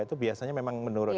itu biasanya memang menurunkan